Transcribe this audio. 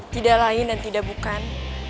tidak lain dan tidak bukan